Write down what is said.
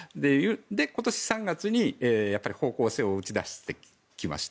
今年３月に方向性を打ち出してきました。